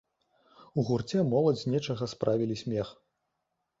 У гурце моладзь з нечага справілі смех.